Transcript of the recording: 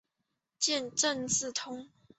见正字通。